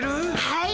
はい。